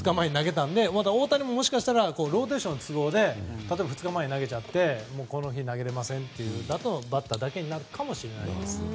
大谷ももしかしたらローテーションの都合で例えば２日前に投げちゃってこの日投げれませんっていうのでバッターだけになるかもしれません。